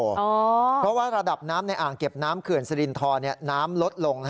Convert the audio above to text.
เพราะว่าระดับน้ำในอ่างเก็บน้ำเขื่อนสรินทรน้ำลดลง